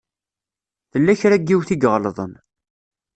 Tella kra n yiwet i iɣelḍen.